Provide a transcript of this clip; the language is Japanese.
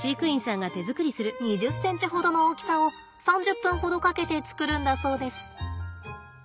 ２０センチほどの大きさを３０分ほどかけて作るんだそうです。